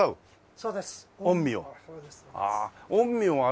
そうです。